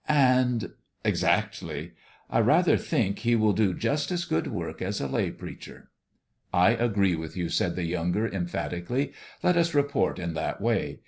"And "" Exactly 1 " 44 1 rather think he will do just as good work as a lay preacher." 44 1 agree with you," said the younger, emphat ically. 4< Let us report in that way.